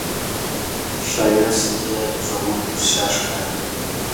ښایست د غږونو تر شا ښکاري